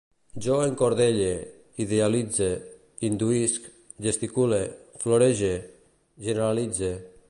Jo encordelle, idealitze, induïsc, gesticule, florege, generalitze